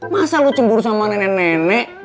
masa lu cemburu sama nenek nenek